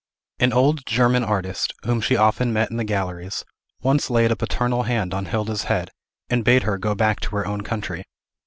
An old German artist, whom she often met in the galleries, once laid a paternal hand on Hilda's head, and bade her go back to her own country.